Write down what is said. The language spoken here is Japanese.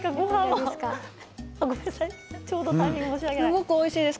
すごくおいしいです。